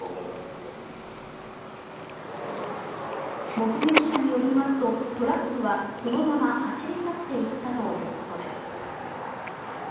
目撃者によりますとトラックはそのまま走り去っていったということです。